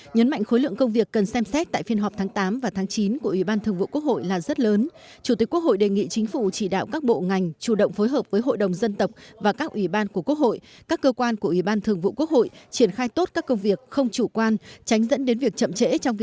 nhấn mạnh khối lượng công việc cần xem xét tại phiên họp tháng tám và tháng chín của ủy ban thường vụ quốc hội là rất lớn